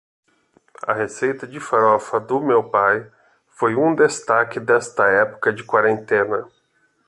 A receita de farofa do meu pai foi um destaque desta época de quarentena.